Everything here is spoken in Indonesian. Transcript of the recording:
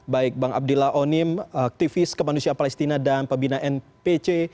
baik bang abdillah onim aktivis kemanusiaan palestina dan pembina npc